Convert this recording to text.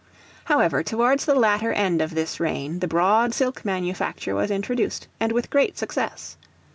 However, towards the latter end of this reign, the broad silk manufacture was introduced, and with great success.